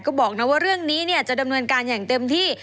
ก็บอกนะว่าเรื่องนี้จะดำเนินการอย่างเต็มที่